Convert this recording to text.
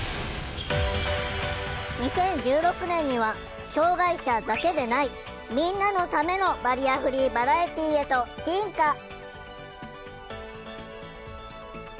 ２０１６年には障害者だけでない「みんなのためのバリアフリーバラエティー」へと進化。